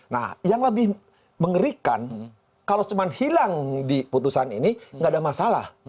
nah yang lebih mengerikan kalau cuma hilang di putusan ini nggak ada masalah